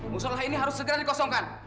musola ini harus segera dikosongkan